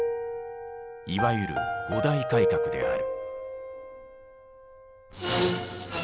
いわゆる五大改革である。